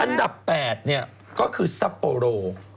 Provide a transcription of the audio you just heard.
อังหารี่ด้าน๘ก็คือซัโปรโร